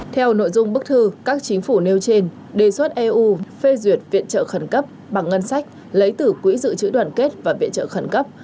theo nội dung bức thư các chính phủ nêu trên đề xuất eu phê duyệt viện trợ khẩn cấp bằng ngân sách lấy từ quỹ dự trữ đoàn kết và viện trợ khẩn cấp